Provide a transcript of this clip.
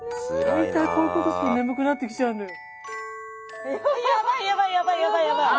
大体こういうことすると眠くなってきちゃうのよ。